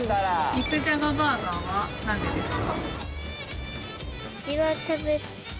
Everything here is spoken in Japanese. ・肉じゃがバーガーは何でですか？